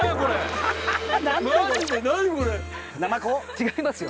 違いますよ。